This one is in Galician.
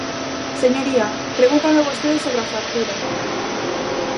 Señoría, pregúntame vostede sobre a factura.